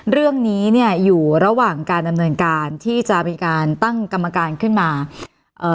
เรื่องนี้เนี่ยอยู่ระหว่างการดำเนินการที่จะมีการตั้งกรรมการขึ้นมาเอ่อ